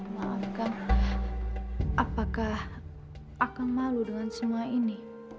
maafkan apakah akang malu dengan semua ini